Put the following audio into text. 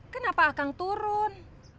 kenapa akan turun